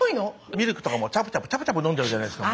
ミルクとかもチャプチャプチャプチャプ飲んじゃうじゃないですか。